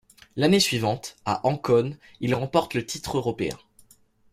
L'année suivante, à Ancône, il remporte le titre européen.